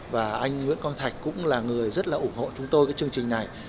và anh nguyễn quang thạch cũng là người rất là ủng hộ chúng tôi cái chương trình này